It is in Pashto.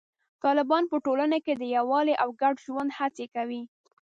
طالبان په ټولنه کې د یووالي او ګډ ژوند هڅې کوي.